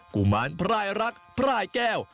กุมารพรายรักพลายแก้ว